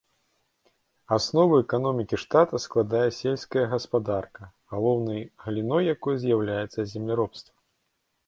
Аснову эканомікі штата складае сельская гаспадарка, галоўнай галіной якой з'яўляецца земляробства.